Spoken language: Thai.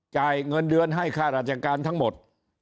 จ่ายเงินเดือนให้ค่าราชการทั้งหมด